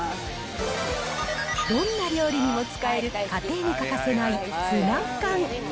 どんな料理にも使える、家庭に欠かせない、ツナ缶。